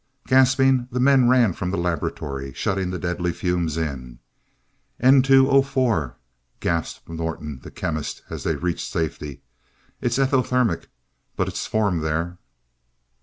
Gasping, the men ran from the laboratory, shutting the deadly fumes in. "NO" gasped Morton, the chemist, as they reached safety. "It's exothermic but it formed there!"